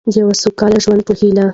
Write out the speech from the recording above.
د یو سوکاله ژوند په هیله.